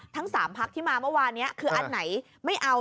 ทั้ง๓พักที่มาเมื่อวานนี้คืออันไหนไม่เอา